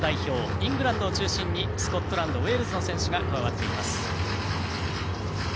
イングランドを中心にスコットランドウェールズの選手が加わっています。